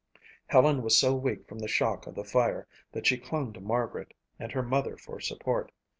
Helen was so weak from the shock of the fire that she clung to Margaret and her mother for support.